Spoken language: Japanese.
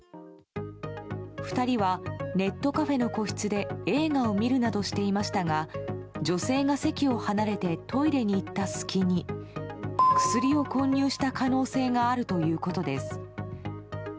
２人はネットカフェの個室で映画を見るなどしていましたが女性が席を離れてトイレに行った隙に薬を混入した可能性があるということです。